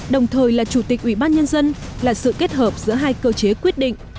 đồng thời là chủ tịch ủy ban nhân dân là sự kết hợp giữa hai cơ chế quyết định